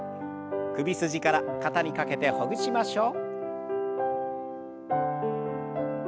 首筋から肩にかけてほぐしましょう。